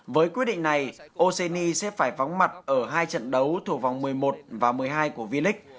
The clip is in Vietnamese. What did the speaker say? với quyết định này oceni sẽ phải vắng mặt ở hai trận đấu thủ vòng một mươi một và một mươi hai của v lix